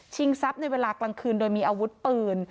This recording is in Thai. ทรัพย์ในเวลากลางคืนโดยมีอาวุธปืน